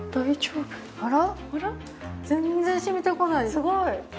すごい！